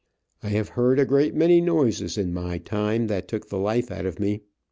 I have heard a great many noises in my time that took the life out of me.